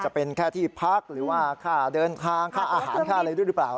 จะเป็นแค่ที่พักหรือว่าค่าเดินทางค่าอาหารค่าอะไรด้วยหรือเปล่า